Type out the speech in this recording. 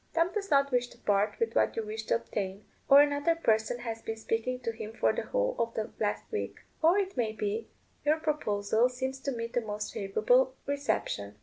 Tom does not wish to part with what you wish to obtain; or another person has been speaking to him for the whole of the last week. Or, it may be, your proposal seems to meet the most favourable reception.